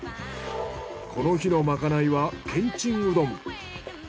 この日のまかないはけんちんうどん。